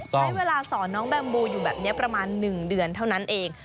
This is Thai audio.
ใช้เวลาสอนน้องแบมบูอยู่แบบนี้ประมาณ๑เดือนเท่านั้นเอง